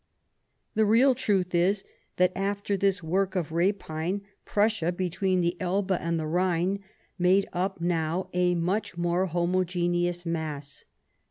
The real truth is that, after this work of rapine, 99 Bismarck Prussia between the Elbe and the Rhine made up now a much more homogeneous mass.